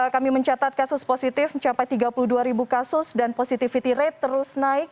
kami mencatat kasus positif mencapai tiga puluh dua ribu kasus dan positivity rate terus naik